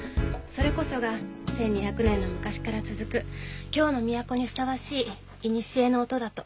それこそが１２００年の昔から続く京の都にふさわしいいにしえの音だと。